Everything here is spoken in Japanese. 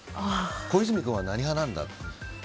小泉君は何派なんだと。